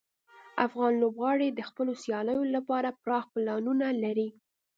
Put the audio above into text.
افغان لوبغاړي د خپلو سیالیو لپاره پراخ پلانونه لري.